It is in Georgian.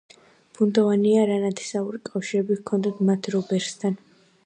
ბუნდოვანია რა ნათესაური კავშირები ჰქონდათ მათ რობერთან.